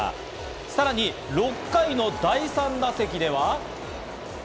さらに６回の第３打席では。